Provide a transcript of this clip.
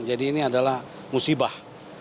jadi ini adalah musibah